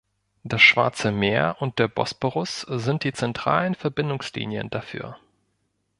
Das Schwarze Meer und der Bosporus sind die zentralen Verbindungslinien dafür.